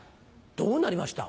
どうなりました？